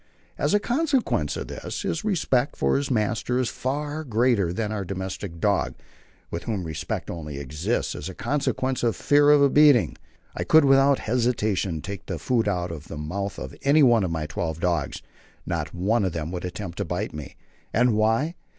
As a consequence of this, his respect for his master is far greater than in our domestic dog, with whom respect only exists as a consequence of the fear of a beating. I could without hesitation take the food out of the mouth of any one of my twelve dogs; not one of them would attempt to bite me. And why?